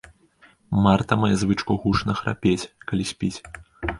Марта мае звычку гучна храпець, калі спіць.